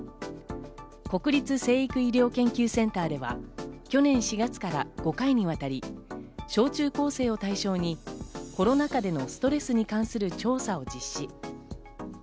国立成育医療研究センターでは去年４月から５回にわたり小中高生を対象にコロナ禍でのストレスに関する調査を実施。